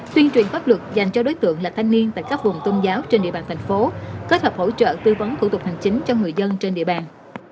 tuyên truyền pháp luật dành cho đối tượng là thanh niên tại các vùng tôn giáo trên địa bàn thành phố kết hợp hỗ trợ tư vấn thủ tục hành chính cho người dân trên địa bàn